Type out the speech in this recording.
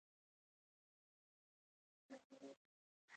مېلمه په ننګ ښه ایسي، کوربه په صت